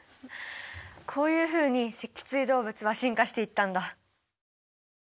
こういうふうに脊椎動物は進化していったんだ。